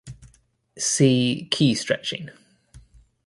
"See" key stretching.